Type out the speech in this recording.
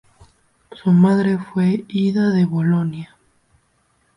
Su madre fue Ida de Bolonia.